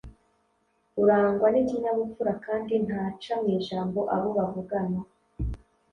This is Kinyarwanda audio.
Urangwa n’ikinyabupfura kandi ntaca mu ijambo abo bavugana